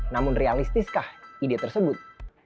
namun realistiskah ide tersebut